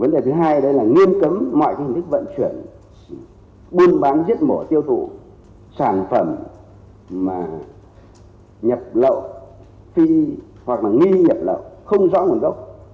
vấn đề thứ hai đó là nghiêm cấm mọi hình thức vận chuyển buôn bán giết mổ tiêu thụ sản phẩm mà nhập lậu pin hoặc là nghi nhập lậu không rõ nguồn gốc